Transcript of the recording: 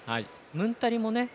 ムンタリもね。